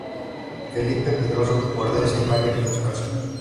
Felipe Pedroso guardó esta imagen en su casa.